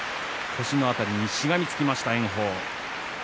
腰の辺りに、しがみつきました。